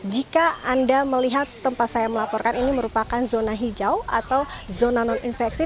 jika anda melihat tempat saya melaporkan ini merupakan zona hijau atau zona non infeksi